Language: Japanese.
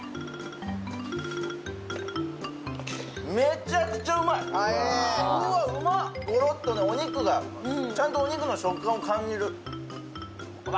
めちゃくちゃうまいうわっうまっゴロっとねお肉がちゃんとお肉の食感を感じるうわ